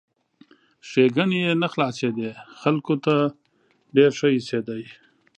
ښېګڼې یې نه خلاصېدې ، خلکو ته ډېر ښه ایسېدی!